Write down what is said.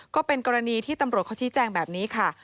ก็เป็นกรณีที่ตำรวจเขาชี้แจงแบบนี้ค่ะ